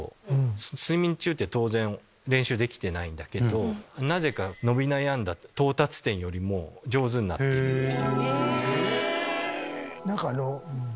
睡眠中って当然練習できていないんだけどなぜか伸び悩んだ到達点よりも上手になっているんです。